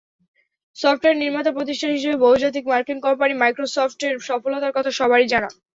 Software নির্মাতা প্রতিষ্ঠান হিসেবে বহুজাতিক মার্কিন কোম্পানি মাইক্রোসফটের সফলতার কথা সবারই জানা।